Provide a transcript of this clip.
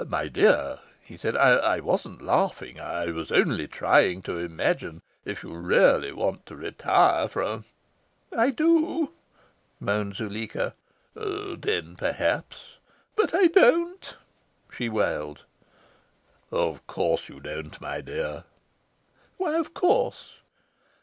"My dear," he said, "I wasn't laughing. I was only trying to imagine. If you really want to retire from " "I do," moaned Zuleika. "Then perhaps " "But I don't," she wailed. "Of course, you don't, my dear." "Why, of course?"